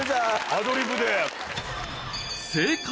アドリブで。